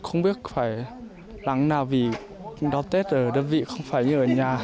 không biết phải làm thế nào vì đón tết ở đơn vị không phải như ở nhà